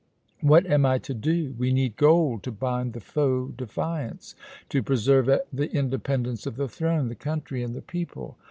What am I to do? We need gold to bid the foe defiance, to preserve the independence of the throne, the country, and the people.